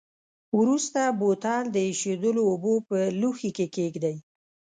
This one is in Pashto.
وروسته بوتل د ایشېدلو اوبو په لوښي کې کیږدئ.